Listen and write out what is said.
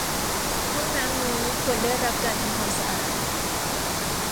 ห้องน้ำนี้ควรได้รับการทำความสะอาด